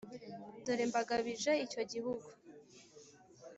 dore mbagabije icyo gihugu